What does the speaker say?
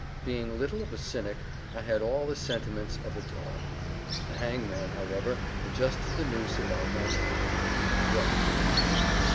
Being little of a cynic, I had all the sentiments of a dog. The hangman, however, adjusted the noose about my neck. The drop fell.